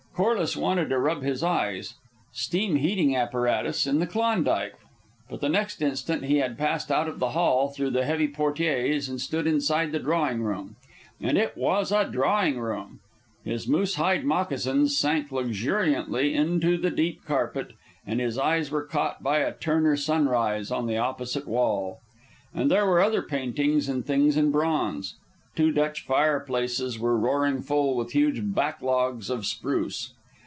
Corliss wanted to rub his eyes. Steam heating apparatus in the Klondike! But the next instant he had passed out of the hall through the heavy portieres and stood inside the drawing room. And it was a drawing room. His moose hide moccasins sank luxuriantly into the deep carpet, and his eyes were caught by a Turner sunrise on the opposite wall. And there were other paintings and things in bronze. Two Dutch fireplaces were roaring full with huge back logs of spruce.